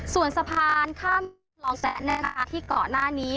ส่วนสะพานข้ามลองแสนนะคะที่เกาะหน้านี้